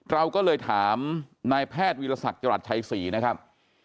เราก็เลยถามนายแพทย์วิทยาศักดิ์จังหลัดชัย๔นะครับ